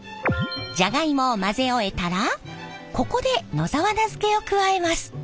じゃがいもを混ぜ終えたらここで野沢菜漬けを加えます。